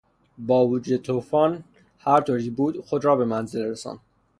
با وجود طوفان هرطوری بود خود را به منزل رساند.